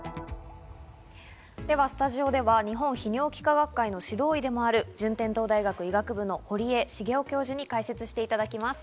スタジオでは日本泌尿器科学会の指導医でもある、順天堂大学医学部の堀江重郎教授に解説していただきます。